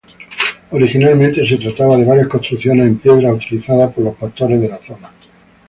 Originalmente se trataba de varias construcciones en piedra utilizadas por pastores de la zona.